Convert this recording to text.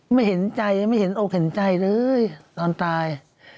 ไม่เห็นใจไม่เห็นอกเห็นใจเลยตอนตาย